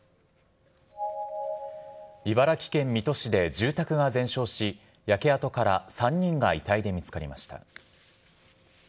茨城県水戸市で住宅が全焼し、焼け跡から３人が遺体で見つかりました。